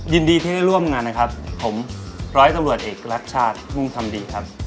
ยินดีที่ได้ร่วมงานนะครับผมร้อยตำรวจเอกรักชาติมุ่งทำดีครับ